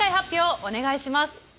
お願いします。